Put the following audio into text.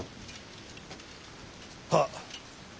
はっ。